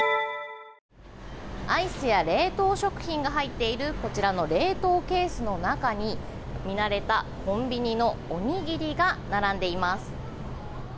アイスや冷凍食品が入っているこちらの冷凍ケースの中に見慣れたコンビニのおにぎりが並んでいます。